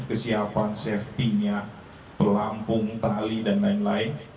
kesiapan safety nya pelampung tali dan lain lain